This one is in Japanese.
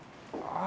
ああ！